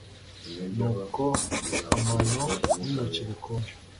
nkuko amano n'intoki bikonje